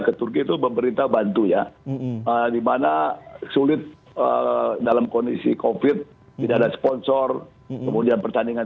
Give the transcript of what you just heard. keturki itu pemerintah bantunya dimana sulit dalam kondisi kopit tidak ada sponsor kemudian pertandingan